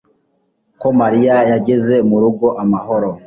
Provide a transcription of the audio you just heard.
ko Mariya yageze mu rugo amahoro